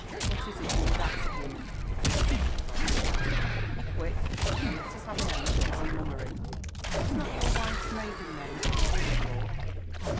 <' What is it you would ask, woman ?" said Mr. Croft :'' be quick, and let us Have an end to this mummery." '* Was not your wife's maiden name Woodthorpe